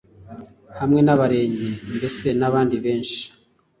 hamwe n'Abarenge, mbese n'abandi benshi